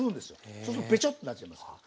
そうするとベチョってなっちゃいますから。